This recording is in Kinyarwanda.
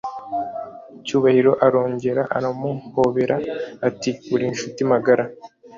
cyubahiro arongera aramuhobera ati"urinshuti magara"